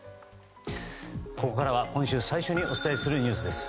ここからは今週最初にお伝えするニュースです。